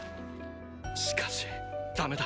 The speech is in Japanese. しかしダメだ。